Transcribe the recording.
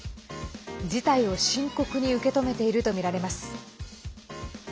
事態を深刻に受け止めているとみられます。